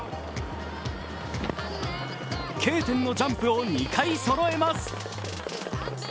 Ｋ点のジャンプを２回そろえます。